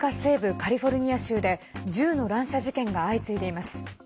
カリフォルニア州で銃の乱射事件が相次いでいます。